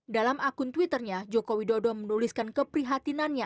dalam akun twitternya joko widodo menuliskan keprihatinannya